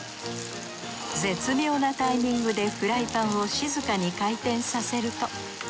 絶妙なタイミングでフライパンを静かに回転させると。